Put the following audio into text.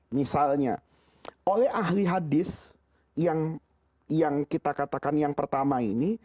misalnya oleh ahli hadis yang kita katakan yang pertama ini